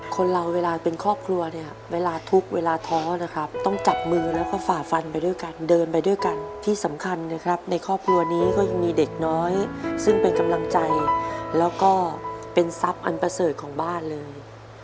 คนเราเวลาเป็นครอบครัวเนี่ยเวลาทุกข์เวลาท้อนะครับต้องจับมือแล้วก็ฝ่าฟันไปด้วยกันเดินไปด้วยกันที่สำคัญนะครับในครอบครัวนี้ก็ยังมีเด็กน้อยซึ่งเป็นกำลังใจแล้วก็เป็นทรัพย์อันประเสริฐของบ้านเลย